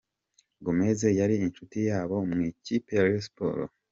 Gomez yari inshuti ya bose mu ikipe ya Rayon Sports.